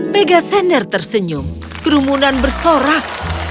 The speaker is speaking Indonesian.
pegasender tersenyum kerumunan bersorak